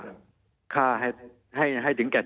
มีความรู้สึกว่ามีความรู้สึกว่า